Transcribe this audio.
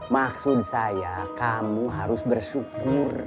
maksud saya kamu harus bersyukur